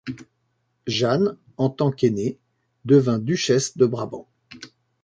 Jeanne en tant qu'aînée, devint duchesse de Brabant.